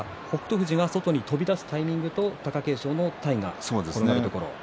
富士が外に飛び出すタイミングと貴景勝の体が転がるところ。